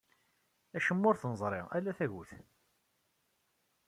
Acemma ur t-neẓri ala tagut.